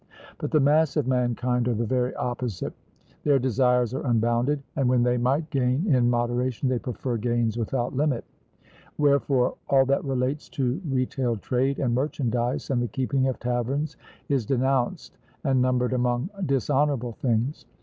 But the mass of mankind are the very opposite: their desires are unbounded, and when they might gain in moderation they prefer gains without limit; wherefore all that relates to retail trade, and merchandise, and the keeping of taverns, is denounced and numbered among dishonourable things.